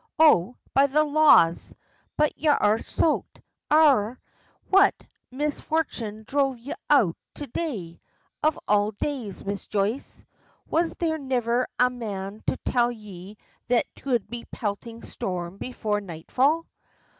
Oh! by the laws! but y'are soaked! Arrah, what misfortune dhrove y'out to day, of all days, Miss Joyce? Was there niver a man to tell ye that 'twould be a peltin' storm before nightfall?"